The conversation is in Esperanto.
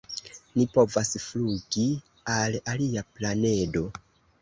"Ni povas flugi al alia planedo!"